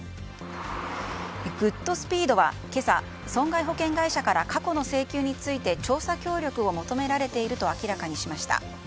グッドスピードは今朝損害保険会社から過去の請求について調査協力を求められていると明らかにしました。